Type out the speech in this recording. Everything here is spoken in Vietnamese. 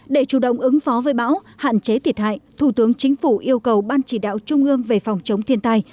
để chủ động ứng phó với bão hạn chế thiệt hại thủ tướng chính phủ yêu cầu ban chỉ đạo trung ương về phòng chống thiên tai